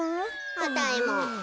あたいも。